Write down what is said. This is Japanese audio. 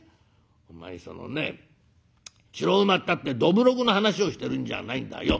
「お前そのね白馬ったってどぶろくの話をしてるんじゃないんだよ。